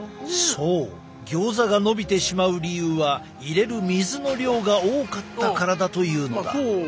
そうギョーザがのびてしまう理由は入れる水の量が多かったからだというのだ。